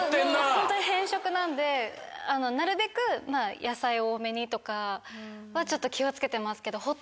ホントに偏食なんでなるべく野菜を多めにとかはちょっと気を付けてますけどほっ